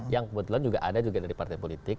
yang kebetulan juga ada juga dari partai politik